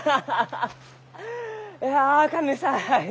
いや神主さん